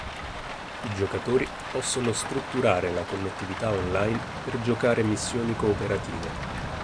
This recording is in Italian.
I giocatori possono strutturare la connettività online per giocare missioni cooperative.